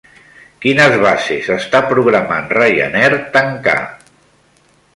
Quines bases està programant Ryanair tancar?